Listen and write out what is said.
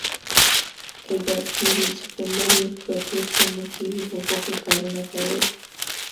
ايلبرټ ګيري چې په لرې پرتو سيمو کې يې حقوقي کارونه کول.